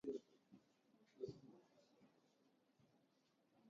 Նրա երեխաները ողջ են մնացել։